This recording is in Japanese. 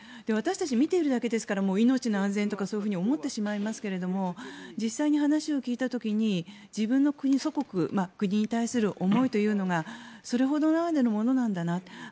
私たちは見ているだけですから命の安全とかと思ってしまいますけれども実際に話を聞いた時に自分の祖国国に対する思いというのがそれほどのものなんだなと。